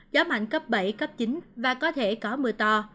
gió mạnh cấp bảy cấp chín và có thể có mưa to